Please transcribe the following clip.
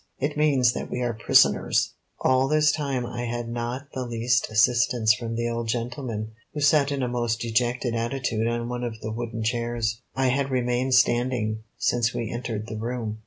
It means that we are prisoners!" All this time I had not the least assistance from the old gentleman, who sat in a most dejected attitude on one of the wooden chairs. I had remained standing since we entered the room.